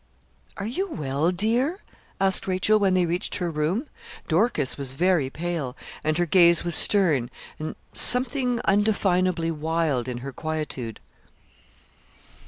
'Are you well, dear?' asked Rachel when they reached her room. Dorcas was very pale, and her gaze was stern, and something undefinably wild in her quietude.